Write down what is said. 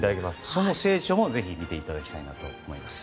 その成長もぜひ見ていただきたいと思います。